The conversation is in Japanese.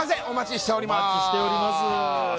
お待ちしております